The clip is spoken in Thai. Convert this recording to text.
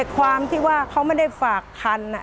ความที่ว่าเขาไม่ได้ฝากคัน